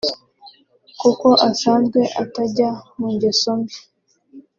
kuko asanzwe atajya mu ngeso mbi